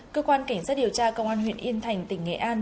cơ quan cảnh sát điều tra công an huyện yên thành tỉnh nghệ an